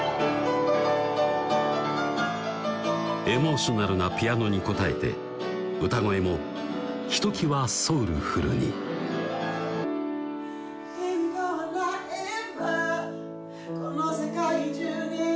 エモーショナルなピアノに応えて歌声もひときわソウルフルに「君が笑えばこの世界中に」